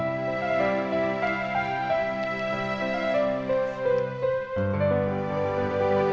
udin mau ke parkir